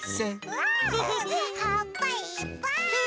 わはっぱいっぱい！ね！